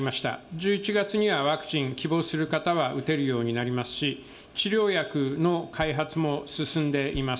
１１月にはワクチン、希望する方は打てるようになりますし、治療薬の開発も進んでいます。